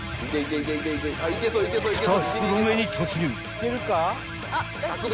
［２袋目に突入］